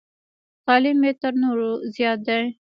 تعلیم یې تر نورو زیات دی.